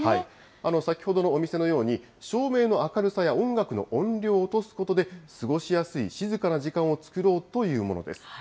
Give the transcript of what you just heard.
先ほどのお店のように、照明の明るさや音楽の音量を落とすことで、過ごしやすい、静かな時間を作ろうというものです。